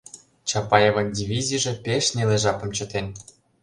Чапаевын дивизийже пеш неле жапым чытен.